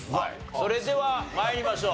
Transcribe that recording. それでは参りましょう。